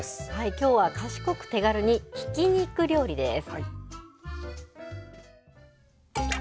きょうは賢く手軽にひき肉料理です。